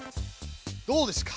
どうですか？